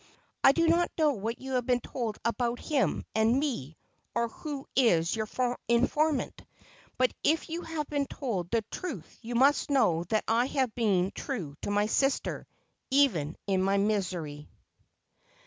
I do not know what you have been told about him and me, or who is your informant ; but if you have been told the truth you must know that I have been true to my sister — even in my misery.'